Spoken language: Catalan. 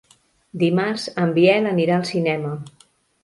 Dimarts en Biel anirà al cinema.